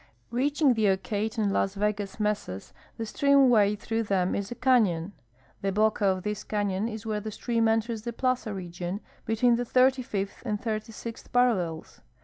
Reaching the Ocate and Las Vegas mesas, the streamway through them is a canon. The boca of this canon is where the stream enters the plaza region, between tlie thirty fifth and thirt^' sixth paral lels.